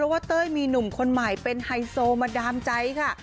เต้ยมีหนุ่มคนใหม่เป็นไฮโซมาดามใจค่ะ